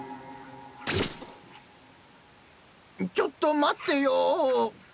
ちょっと待ってよ。